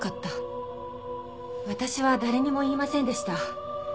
私は誰にも言いませんでした。